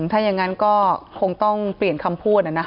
ถ้ายังงั้นก็คงต้องเปลี่ยนคำพูดนะนะ